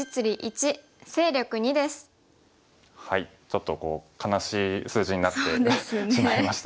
ちょっと悲しい数字になってしまいましたね。